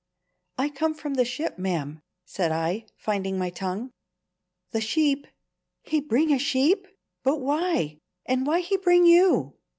"I come from the ship, ma'am," said I, finding my tongue. "The sheep? He bring a sheep? But why? and why he bring you?"